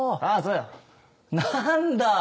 何だ。